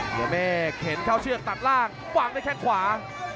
เหนือเมฆเข็นเข้าเชือกตัดล่างวางได้แค่ขวา